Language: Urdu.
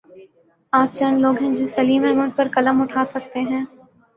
آج چند لوگ ہیں جو سلیم احمد پر قلم اٹھا سکتے ہیں۔